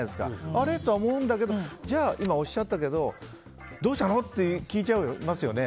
あれ？とは思うんだけど今、おっしゃったけどどうしたの？って聞いちゃいますよね。